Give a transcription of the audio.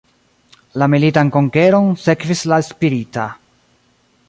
La militan konkeron sekvis la spirita.